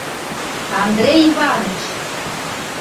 — Андрей Иваныч!